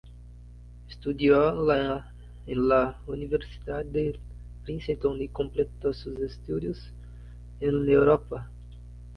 Estudió en la Universidad de Princeton y completó sus estudios en Europa.